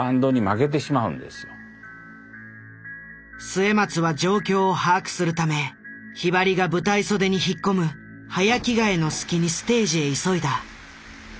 末松は状況を把握するためひばりが舞台袖に引っ込む早着替えの隙にステージへ急いだ。